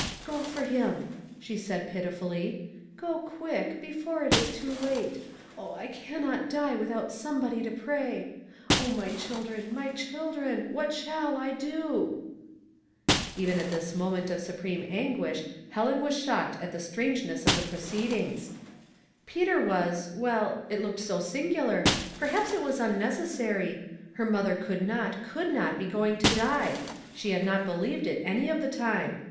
" Go for him," she said pitifully. " Go quick, before it is too late. Oh, I cannot die without somebody to pray. Oh, my children, my chil dren, what shall I do ?" Even in this moment of supreme anguish Helen 84 Household Puzzles, was shocked at the strangeness of the proceed ings. " Peter was — well, it looked so singular — perhaps it was unnecessary —her mother could not, could not be going to die ; she had not be lieved it any of the time.